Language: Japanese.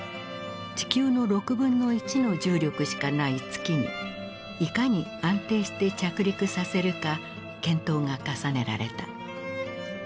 地球のの重力しかない月にいかに安定して着陸させるか検討が重ねられた。